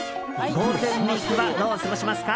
ゴールデンウィークはどう過ごしますか？